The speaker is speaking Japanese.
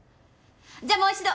じゃあもう一度。